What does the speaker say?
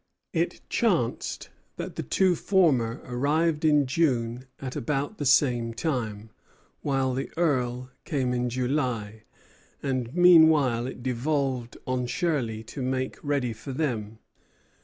It chanced that the two former arrived in June at about the same time, while the Earl came in July; and meanwhile it devolved on Shirley to make ready for them.